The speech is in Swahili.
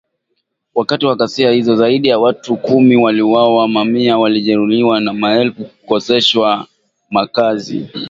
Wakati wa ghasia hizo, zaidi ya watu kumi waliuawa, mamia walijeruhiwa na maelfu kukoseshwa makazi